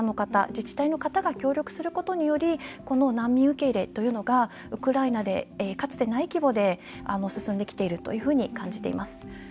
自治体の方が協力することによりこの難民受け入れというのがウクライナでかつてない規模で進んできているというふうに感じています。